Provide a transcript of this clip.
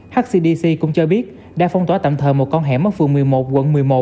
hcdc cũng cho biết đã phong tỏa tạm thời một con hẻm ở phường một mươi một quận một mươi một